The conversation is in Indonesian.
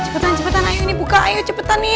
cepetan cepetan ayo ini buka ayo cepetan nih